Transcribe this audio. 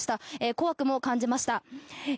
怖くも感じました。